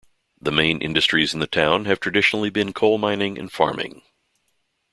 The main industries in the town have traditionally been coal mining and farming.